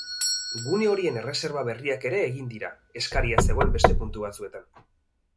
Gune horien erreserba berriak ere egin dira eskaria zegoen beste puntu batzuetan.